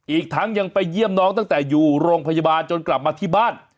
อีกทั้งยังไปเยี่ยมน้องตั้งแต่อยู่โรงพยาบาลจนกลับมาที่บ้าน